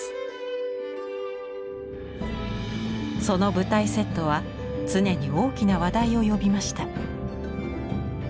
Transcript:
その舞台セットは常に大きな話題を呼びました。